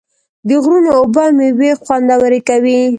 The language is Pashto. د غرونو اوبه میوې خوندورې کوي.